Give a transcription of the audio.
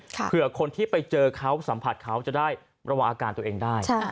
เผื่อคนที่ไปเจอเขาสัมผัสเขาจะได้ระวังอาการตัวเองได้